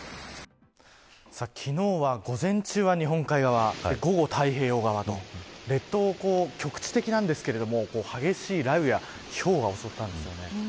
昨日は、午前中は日本海側午後、太平洋側と、列島を局地的なんですけれども激しい雷雨やひょうが襲ったんですよね。